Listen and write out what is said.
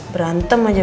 berantem aja bani